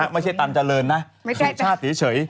ไม่ใช่ตันเจริญนะไม่ใช่ชาติเฉย